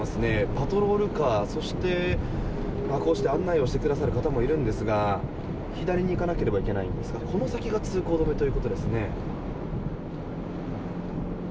パトロールカーそして、案内をしてくださる方もいるんですが左に行かなければいけないんですがこの先が通行止めということですね。